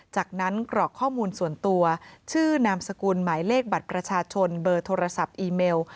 จากนั้นกรอกข้อมูลส่วนตัวชื่อนามสกุลหมายเลขบัตรประชาชนเบอร์โทรศัพท์อีเมล